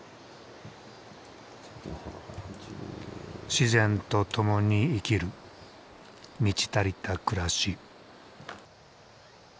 自然と共に生きる満ち足りた暮らし。